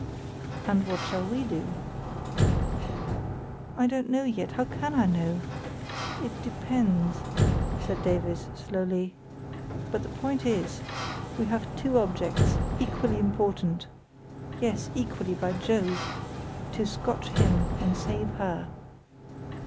"And what shall we do?" "I don't know yet; how can I know? It depends," said Davies, slowly. "But the point is, that we have two objects, equally important—yes, equally, by Jove!—to scotch him, and save her."